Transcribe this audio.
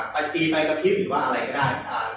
ไปจีบไปตัวทิศหรืออะไรก็ได้